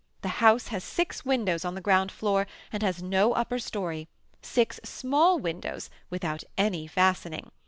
The house has six windows on the ground floor, and has no upper story, six small windows without any fastening.